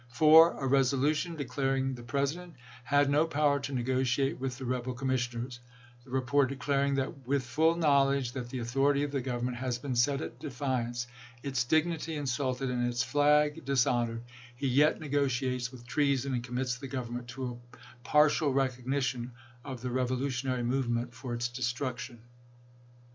4. A resolution declaring the Presi dent had no power to negotiate with the rebel commissioners — the report declaring that " with full knowledge that the authority of the Govern ment has been set at defiance, its dignity insulted, and its flag dishonored, he yet negotiates with treason and commits the Government to a partial recognition of the revolutionary movement for its destruction."